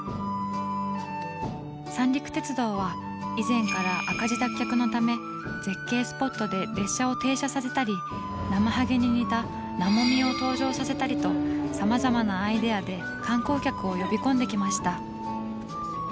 三陸鉄道は以前から赤字脱却のため絶景スポットで列車を停車させたりなまはげに似た「なもみ」を登場させたりとさまざまなアイデアで観光客を呼び込んできました。